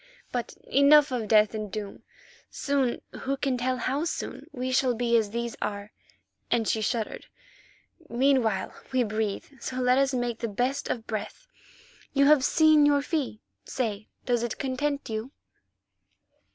But enough of death and doom. Soon, who can tell how soon? we shall be as these are," and she shuddered. "Meanwhile, we breathe, so let us make the best of breath. You have seen your fee, say, does it content you?"